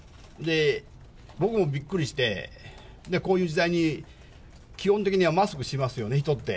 僕もびっくりして、こういう時代に、基本的にはマスクしますよね、人って。